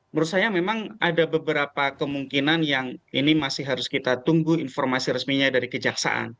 menurut saya memang ada beberapa kemungkinan yang ini masih harus kita tunggu informasi resminya dari kejaksaan